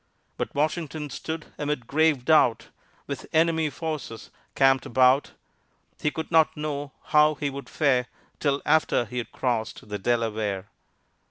_ But Washington stood amid grave doubt With enemy forces camped about; He could not know how he would fare Till after he'd crossed the Delaware.